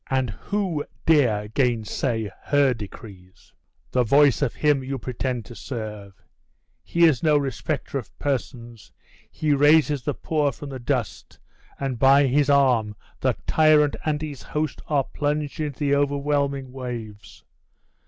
and who dare gainsay her decrees?" "The voice of Him you pretend to serve! He is no respecter of persons; he raises the poor from the dust; and by his arm the tyrant and his host are plunged into the whelming waves!